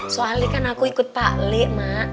soalnya kan aku ikut pak lek mak